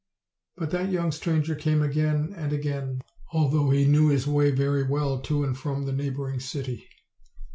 But that young stranger came again and again, al though he knew his way very well to and from the neigh boring city.